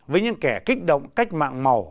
với những kẻ kích động cách mạng màu